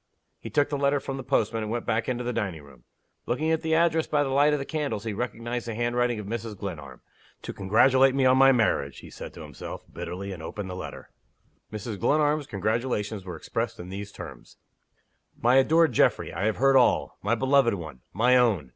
He took the letter from the postman, and went back into the dining room. Looking at the address by the light of the candles, he recognized the handwriting of Mrs. Glenarm. "To congratulate me on my marriage!" he said to himself, bitterly, and opened the letter. Mrs. Glenarm's congratulations were expressed in these terms: "MY ADORED GEOFFREY, I have heard all. My beloved one! my own!